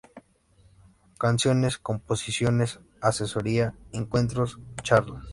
Canciones, composiciones, asesoría, encuentros, charlas.